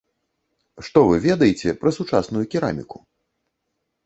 Што вы ведаеце пра сучасную кераміку?